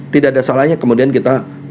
tidak ada salahnya kemudian kita